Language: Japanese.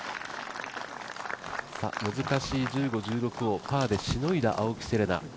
難しい１５、１６をパーでしのいだ青木瀬令奈。